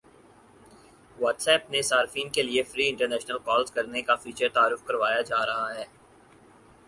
what's app نے صارفین کی لیے فری انٹرنیشنل کالز کرنے کا فیچر متعارف کروایا جا رہا ہے